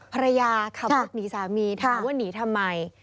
ภรรยาขับรถหนีสามีถามว่าหนีทำไม